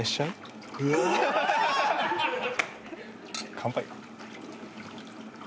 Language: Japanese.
乾杯。